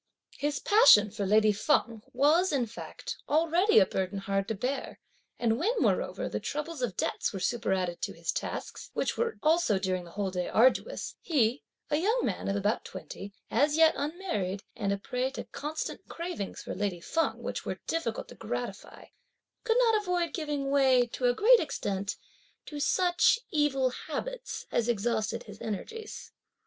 His passion for lady Feng was, in fact, already a burden hard to bear, and when, moreover, the troubles of debts were superadded to his tasks, which were also during the whole day arduous, he, a young man of about twenty, as yet unmarried, and a prey to constant cravings for lady Feng, which were difficult to gratify, could not avoid giving way, to a great extent, to such evil habits as exhausted his energies.